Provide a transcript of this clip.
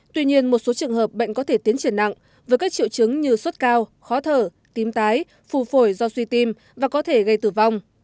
tuy nhiên một số trường hợp bệnh có thể tiến triển nặng với các triệu chứng như sốt cao khó thở tím tái phù phổi do suy tim và có thể gây tử vong